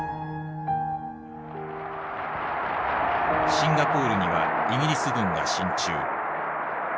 シンガポールにはイギリス軍が進駐。